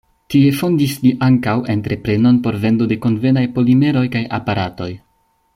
Tie fondis li ankaŭ entreprenon por vendo de konvenaj polimeroj kaj aparatoj.